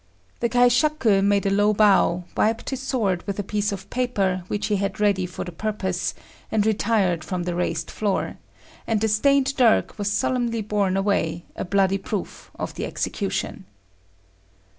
The kaishaku made a low bow, wiped his sword with a piece of paper which he had ready for the purpose, and retired from the raised floor; and the stained dirk was solemnly borne away, a bloody proof of the execution.